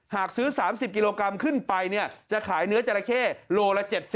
หากซื้อ๓๐กิโลกรัมขึ้นไปจะขายเนื้อจราเข้โลละ๗๐